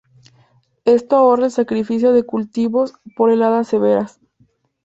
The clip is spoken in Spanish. Esto ahorra el sacrificio de cultivos por heladas severas.